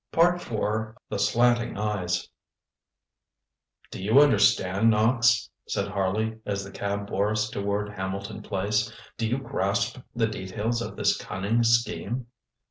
ŌĆØ IV THE SLANTING EYES ŌĆ£Do you understand, Knox? ŌĆØ said Harley as the cab bore us toward Hamilton Place. ŌĆ£Do you grasp the details of this cunning scheme?